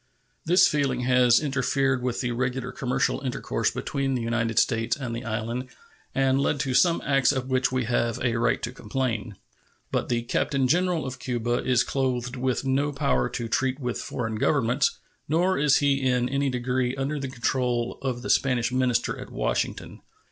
This feeling has interfered with the regular commercial intercourse between the United States and the island and led to some acts of which we have a fight to complain. But the Captain General of Cuba is clothed with no power to treat with foreign governments, nor is he in any degree under the control of the Spanish minister at Washington.